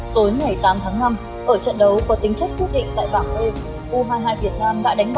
tối ngày tám tháng năm ở trận đấu có tính chất quyết định tại vàng lê